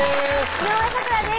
井上咲楽です